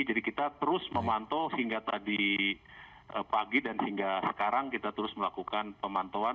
jadi kita terus memantau sehingga tadi pagi dan sehingga sekarang kita terus melakukan pemantauan